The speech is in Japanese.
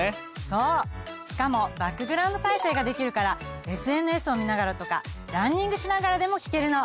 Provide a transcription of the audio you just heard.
しかもバックグラウンド再生ができるからＳＮＳを見ながらとかランニングしながらでも聞けるの。